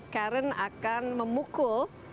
karen akan memukul